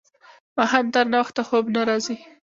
ماښام تر ناوخته خوب نه راځي.